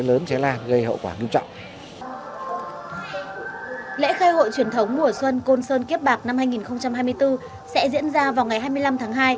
lễ khai hội truyền thống mùa xuân côn sơn kiếp bạc năm hai nghìn hai mươi bốn sẽ diễn ra vào ngày hai mươi năm tháng hai